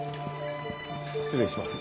失礼します。